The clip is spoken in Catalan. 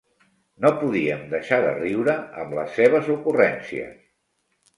No podíem deixar de riure amb les seves ocurrències.